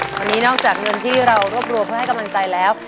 ตอนนี้นอกจากเงินที่เรารวบรวมเพื่อให้กำลังใจแล้ว